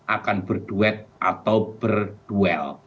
akan berduet atau berduel